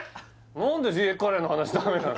何で家カレーの話ダメなの？